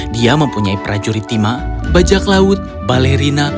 dia mempunyai prajurit timah bajak laut balerina